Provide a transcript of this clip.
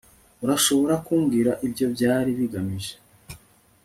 urashobora kumbwira ibyo byari bigamije